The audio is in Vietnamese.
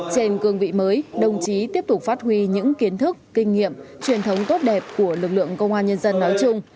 trên cương vị mới đồng chí tiếp tục phát huy những kiến thức kinh nghiệm truyền thống tốt đẹp của lực lượng công an nhân dân nói chung